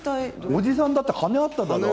おじさんだって羽あっただろ。